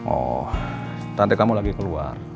oh tante kamu lagi keluar